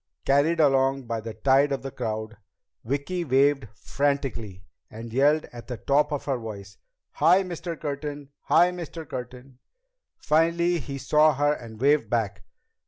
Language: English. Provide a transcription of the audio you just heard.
Carried along by the tide of the crowd, Vicki waved frantically and yelled at the top of her voice: "Hi, Mr. Curtin! Hi, Mr. Curtin!" Finally he saw her and waved back.